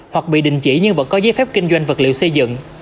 hoặc bị đình chỉ nhưng vẫn có giấy phép kinh doanh vật liệu xây dựng